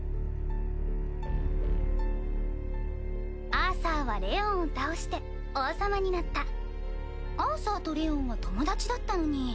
アーサーはレオンを倒して王様になったアーサーとレオンは友達だったのに。